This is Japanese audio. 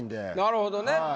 なるほどね。